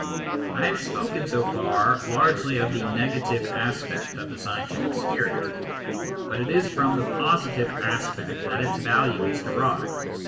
I have spoken so far largely of the negative aspect of the scientific spirit, but it is from the positive aspect that its value is derived.